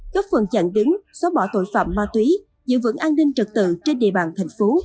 cấp phần chặn đứng xóa bỏ tội phạm ma túy giữ vững an ninh trật tự trên địa bàn thành phố